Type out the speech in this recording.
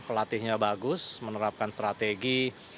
pelatihnya bagus menerapkan strategi